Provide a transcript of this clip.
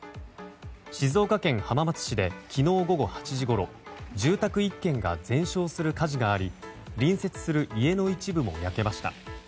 静岡県浜松市で昨日午後８時ごろ住宅１軒が全焼する火事があり隣接する家の一部も焼けました。